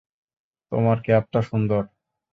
তোমার ক্যাপটা সুন্দর।